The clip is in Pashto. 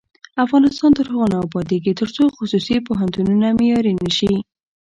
افغانستان تر هغو نه ابادیږي، ترڅو خصوصي پوهنتونونه معیاري نشي.